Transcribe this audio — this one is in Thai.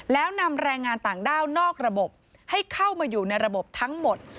แล้วนำแรงงานต่างด้าวนอกระบบให้เข้ามาอยู่ในระบบทั้งหมด